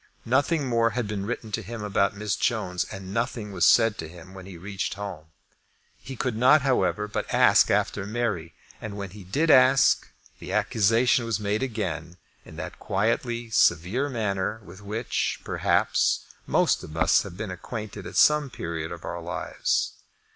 Nothing more had been written to him about Miss Jones, and nothing was said to him when he reached home. He could not, however, but ask after Mary, and when he did ask, the accusation was made again in that quietly severe manner with which, perhaps, most of us have been made acquainted at some period of our lives.